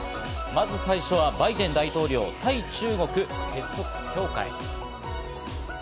まず最初はバイデン大統領、対中国結束強化へ。